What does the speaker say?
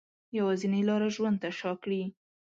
یوازینۍ لاره ژوند ته شا کړي